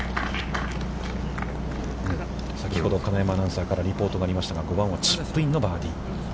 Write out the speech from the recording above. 先ほど金山アナウンサーからリポートがありましたが５番はチップインのバーディー。